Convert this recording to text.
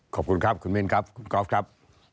ขอบคุณครับคุณมินครับคุณกอล์ฟครับ